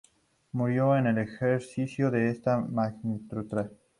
Murió en el ejercicio de esta magistratura.